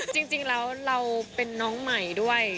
จริงแล้วเราเป็นน้องใหม่ด้วย